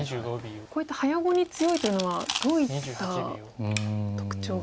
こういった早碁に強いというのはどういった特徴が？